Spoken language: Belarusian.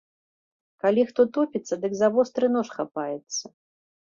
Калі хто топіцца, дык за востры нож хапаецца.